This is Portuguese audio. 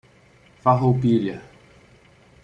Farroupilha